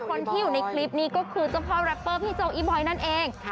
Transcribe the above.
คนที่อยู่ในคลิปนี้ก็คือเจ้าพ่อแรปเปอร์พี่โจอีบอยนั่นเอง